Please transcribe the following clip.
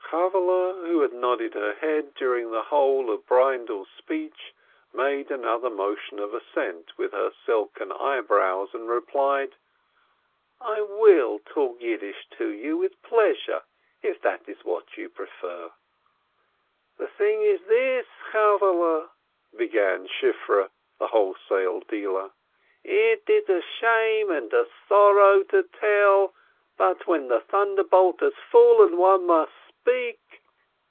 €havvehle, who had nodded her head during the whole of Breindel's speech, made another motion of assent with her silken eyebrows, and replied : "I will talk Yiddish to you with pleasure, if that is what you prefer." "The thing is this, Chavvehle," began Shifreh, the wholesale dealer, "it is a shame and a sorrow to tell, but when the thunderbolt has fallen, one must speak.